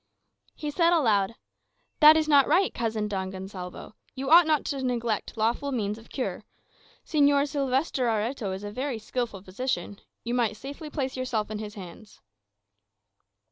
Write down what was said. He said aloud, "That is not right, cousin Don Gonsalvo. You ought not to neglect lawful means of cure. Señor Sylvester Areto is a very skilful physician; you might safely place yourself in his hands."